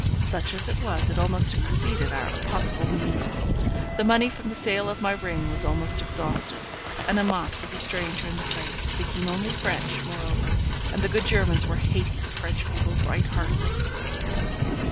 Such as it was, it almost exceeded our possible means. The money from the sale of my ring was almost exhausted, and Amante was a stranger in the place, speaking only French, moreover, and the good Germans were hating the French people right heartily.